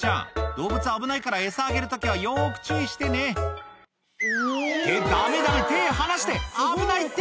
動物危ないからエサあげる時はよく注意してねってダメダメ手離して危ないって！